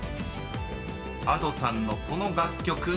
［Ａｄｏさんのこの楽曲］